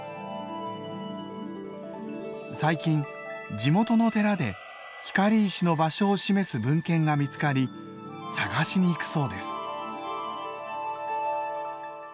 最近地元の寺で光石の場所を示す文献が見つかり探しに行くそうです。